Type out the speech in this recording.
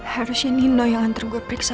harusnya nino yang antar gue periksa kakak